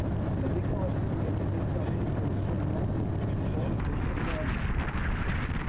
La décoration n'a été décernée que seulement fois aux soldats allemands.